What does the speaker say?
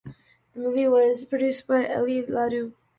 The movie was produced by Ely Landau.